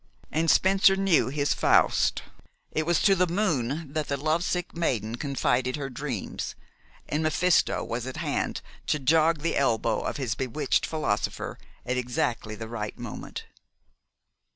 And Spencer knew his Faust. It was to the moon that the lovesick maiden confided her dreams, and Mephisto was at hand to jog the elbow of his bewitched philosopher at exactly the right moment.